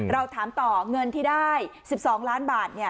เราถามต่อเงินที่ได้๑๒ล้านบาท